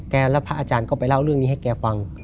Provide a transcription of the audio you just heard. แล้วพระอาจารย์ก็ไปเล่าเรื่องนี้ให้แกฟัง